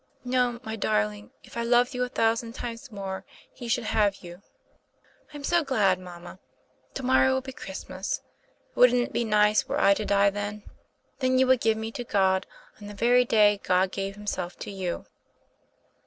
' No, my darling; if I loved you a thousand times more, He should have you." "I'm so glad, mamma; to morrow will be Christ mas. Wouldn't it be nice were I to die then ? Then you would give me to God on the very day God gave Himself to you."